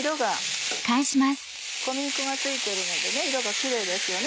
小麦粉が付いているので色がキレイですよね。